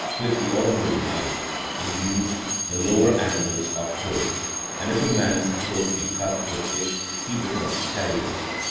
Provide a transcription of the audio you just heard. With the ordinary knife in use the lower animals are killed, and if a man s throat be cut with it he becomes carrion.